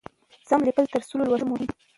سم لیکل تر سم لوستلو مهم دي.